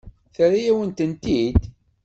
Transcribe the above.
Terra-yawen-tent-id.